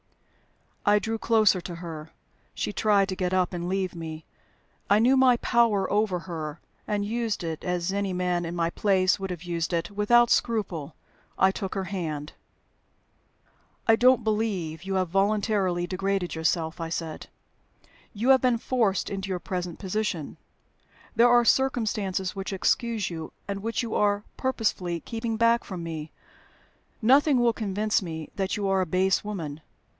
I drew closer to her. She tried to get up and leave me. I knew my power over her, and used it (as any man in my place would have used it) without scruple. I took her hand. "I don't believe you have voluntarily degraded yourself," I said. "You have been forced into your present position: there are circumstances which excuse you, and which you are purposely keeping back from me. Nothing will convince me that you are a base woman.